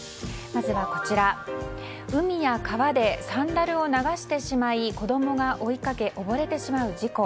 まずは、海や川でサンダルを流してしまい子供が追いかけ溺れてしまう事故。